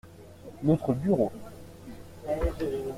Notre bureau.